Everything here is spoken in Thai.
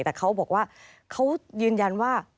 แต่เขาบอกว่าเขายืนยันว่า